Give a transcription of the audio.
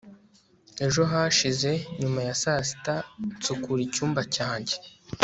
ejo hashize nyuma ya saa sita nsukura icyumba cyanjye